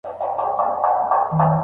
دا لږه کیسه زما د غم وه چې دې واورېده